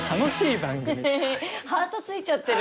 ハートついちゃってる。